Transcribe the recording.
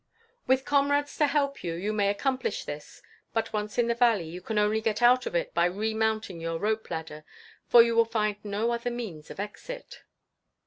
With comrades to help you, you may accomplish this; but once in the valley, you can only get out of it by remounting your rope ladder: for you will find no other means of exit.